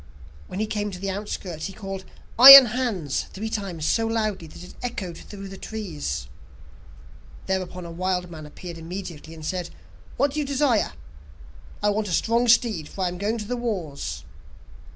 When he came to the outskirts, he called 'Iron Hans' three times so loudly that it echoed through the trees. Thereupon the wild man appeared immediately, and said: 'What do you desire?' 'I want a strong steed, for I am going to the wars.